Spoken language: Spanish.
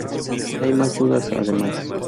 Hay más dudas, además.